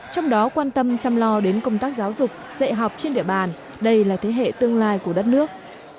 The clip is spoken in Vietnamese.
trong đó quan tâm chăm lo đến công tác giáo dục dạy học trên địa bàn đây là thế hệ tương lai của đất nước